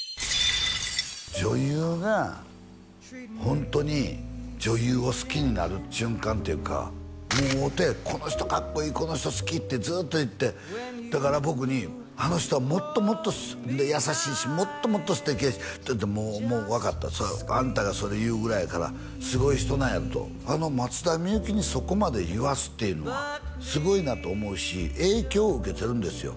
女優がホントに女優を好きになる瞬間っていうかもう会うてこの人かっこいいこの人好きってずっと言ってだから僕にあの人はもっともっと優しいしもっともっと素敵やしと言ってもうもう分かったあんたがそれ言うぐらいやからすごい人なんやろとあの松田美由紀にそこまで言わすっていうのはすごいなと思うし影響受けてるんですよ